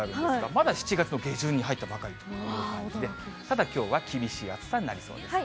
まだ７月の下旬に入ったばかりという感じで、ただきょうは厳しい暑さになりそうです。